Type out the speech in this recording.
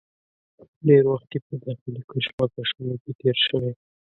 ډېر وخت یې په داخلي کشمکشونو کې تېر شوی.